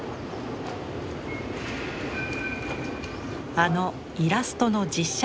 あのイラストの実写化計画。